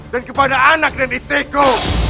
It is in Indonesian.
dan kepada anak dan istriku